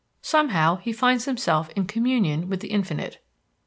Somehow he finds himself in communion with the Infinite.